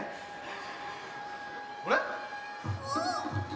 あれ？